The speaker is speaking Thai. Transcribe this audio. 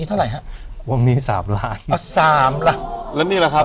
อีกต่อมุมมี่๓ล้าน